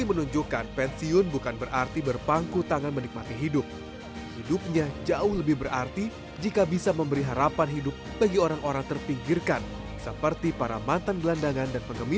puluhan pasar tradisional telah disambanginya selama masa pandemi